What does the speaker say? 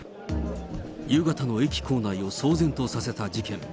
夕方の駅構内を騒然とさせた事件。